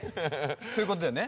そういうことだよね？